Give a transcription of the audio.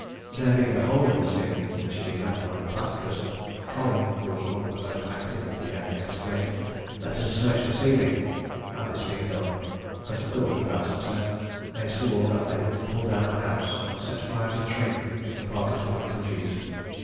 There being a hole in the ceiling, which had been left by the plasterers, Colley, who was one of the most active of the gang, exclaimed, "Let us search the ceiling;" and this being done, but of course without success, they swore that they would pull down the house, and set fire to Tring, if the parties were not produced.